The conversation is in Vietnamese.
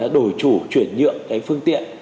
đổi chủ chuyển nhượng phương tiện